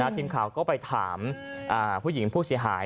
ทีมข่าวก็ไปถามผู้หญิงผู้เสียหาย